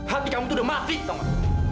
hati kamu itu udah mati tomat